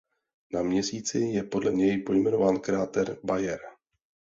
Na Měsíci je podle něj pojmenován kráter Bayer.